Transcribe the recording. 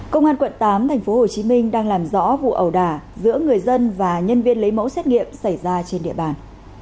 công an quận tám tp hcm đang làm rõ vụ ẩu đả giữa người dân và nhân viên lấy mẫu xét nghiệm xảy ra trên địa bàn